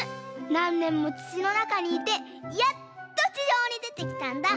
なんねんもつちのなかにいてやっとちじょうにでてきたんだ。